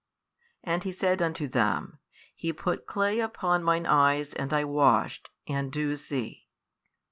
And he said unto them, He put clay upon mine eyes and I washed, and do see.